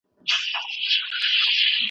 د باد په حکم ځمه .